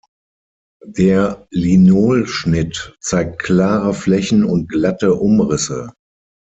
Der Linolschnitt zeigt klare Flächen und glatte Umrisse.